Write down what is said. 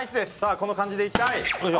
この感じでいきたい。